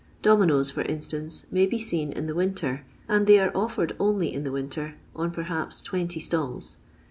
Dominoes, for instance, may be seen in the winter, and they are offered only in the winter, on perhaps 20 stalls.